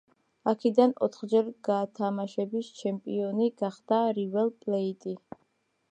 აქედან ოთხჯერ გათამაშების ჩემპიონი გახდა „რივერ პლეიტი“.